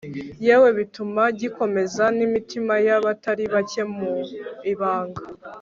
yewe bituma gikomeza n'imitima yabatari bake mu ibanga